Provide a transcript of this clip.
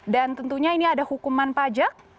dan tentunya ini ada hukuman pajak